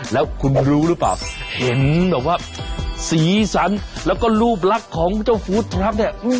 แล้วคุณรู้หรือเปล่าเห็นแบบว่าสีสันแล้วก็รูปลักษณ์ของเจ้าฟู้ดทรัพเนี่ย